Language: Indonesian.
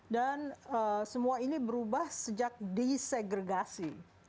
dan semua ini berubah sejak desegregasi